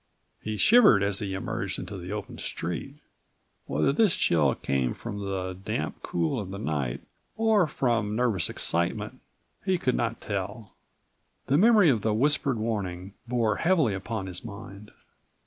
He shivered as he emerged into the open street. Whether this chill came from the damp cool of the night or from nervous excitement, he could not tell. The memory of the whispered warning bore heavily upon his mind.